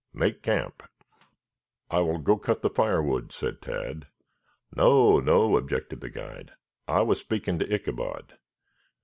Make camp." "I will go cut the firewood," said Tad. "No, no," objected the guide. "I was speaking to Ichabod.